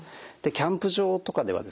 キャンプ場とかではですね